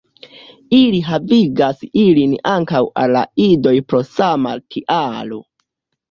Ili havigas ilin ankaŭ al la idoj pro sama tialo.